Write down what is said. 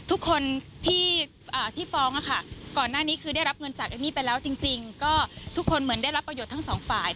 ทุกคนที่ฟ้องก่อนหน้านี้คือได้รับเงินจากเอมมี่ไปแล้วจริงก็ทุกคนเหมือนได้รับประโยชน์ทั้งสองฝ่าย